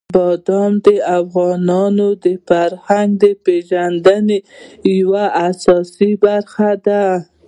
بادام د افغانانو د فرهنګي پیژندنې یوه اساسي برخه ده.